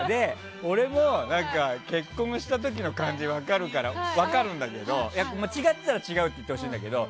俺は結婚した時の感じは分かるから分かるんだけど違ってたら違うって言ってほしいんだけど。